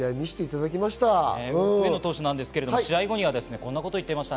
上野投手ですが、試合後にはこんなことを言っていました。